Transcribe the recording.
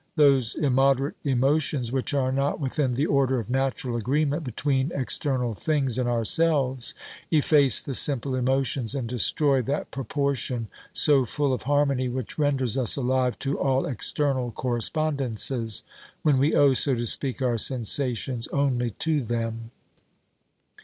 Those immoderate emotions which are not within the order of natural agreement between external things and ourselves, efface the simple emotions and destroy that proportion so full of harmony which renders us alive to all external correspondences, when we owe, so to speak, our sensations only to them.